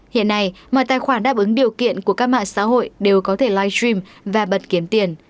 hiện nay mọi tài khoản đáp ứng điều kiện của các mạng xã hội đều có thể live stream và bật kiếm tiền